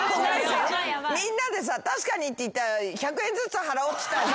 みんなでさ「確かに」って言ったら１００円ずつ払おうっつったらさ。